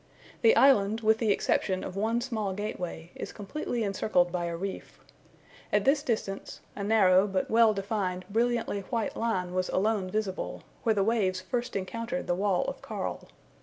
The island, with the exception of one small gateway, is completely encircled by a reef. At this distance, a narrow but well defined brilliantly white line was alone visible, where the waves first encountered the wall of coral.